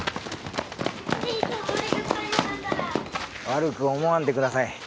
悪く思わんでください。